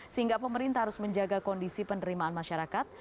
sehingga pemerintah harus menjaga kondisi penerimaan masyarakat